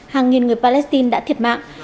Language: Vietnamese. hàng nghìn người palestine đã thiệt mạng